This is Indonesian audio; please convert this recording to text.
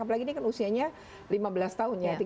apalagi ini kan usianya lima belas tahun ya